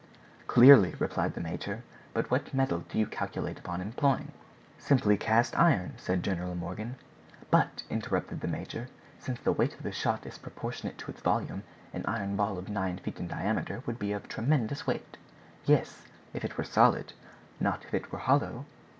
"Clearly," replied the major; "but what metal do you calculate upon employing?" "Simply cast iron," said General Morgan. "But," interrupted the major, "since the weight of a shot is proportionate to its volume, an iron ball of nine feet in diameter would be of tremendous weight." "Yes, if it were solid, not if it were hollow."